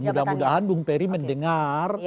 mudah mudahan bung peri mendengar